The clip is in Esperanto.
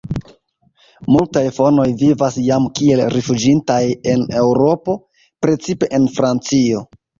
Multaj fonoj vivas jam kiel rifuĝintaj en Eŭropo, precipe en Francio.